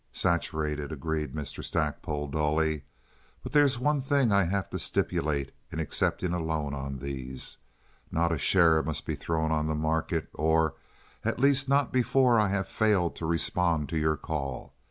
"Saturated," agreed Mr. Stackpole, dully. "But there's one thing I'd have to stipulate in accepting a loan on these. Not a share must be thrown on the market, or, at least, not before I have failed to respond to your call.